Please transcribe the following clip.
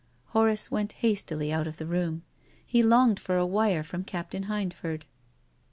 Horace went hastily out of the room. He longed for a wire from Captain Hindford.